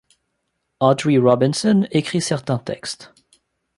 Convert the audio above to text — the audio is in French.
Audrey Robinson écrit certains textes.